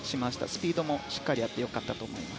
スピードもしっかりあって良かったなと思います。